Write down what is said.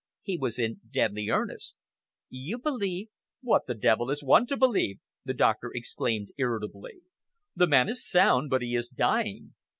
He was in deadly earnest. "You believe " "What the devil is one to believe?" the doctor exclaimed irritably. "The man is sound, but he is dying.